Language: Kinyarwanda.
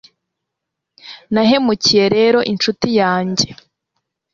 Nahemukiye rero inshuti yanjye